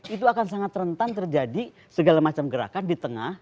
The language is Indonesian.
itu akan sangat rentan terjadi segala macam gerakan di tengah